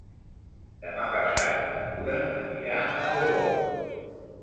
Demà passat na Tura anirà a Portbou.